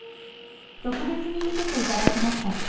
特別に見せて頂きました。